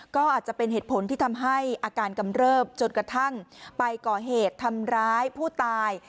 ก็อาจจะเป็นเหตุผลที่ทำให้อาการกำเริบจนกระทั่งไปก่อเหตุทำร้ายผู้ตาย